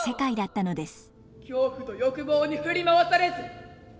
恐怖と欲望に振り回されず。